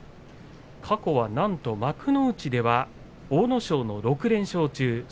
過去はなんと幕内では阿武咲の６連勝中です。